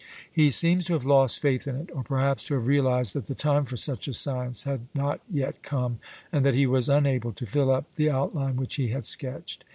He seems to have lost faith in it, or perhaps to have realized that the time for such a science had not yet come, and that he was unable to fill up the outline which he had sketched.